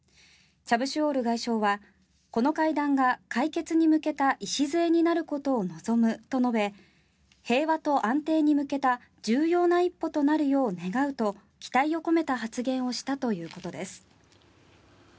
チャブシュオール外相はこの会談が解決に向けた礎になることを望むと述べ平和と安定に向けた重要な一歩となるよう願うと期待を込めた発言をしたということです。